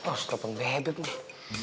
aku harus lupa ngebeb nih